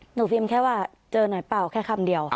พิมพ์แค่ว่าเจอหน่อยเปล่าแค่คำเดียว